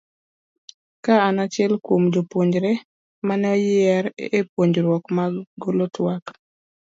ka an achiel kuom jopuonjre maneoyier e puonjruok mar golo twak